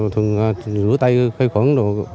thường rửa tay khai khuẩn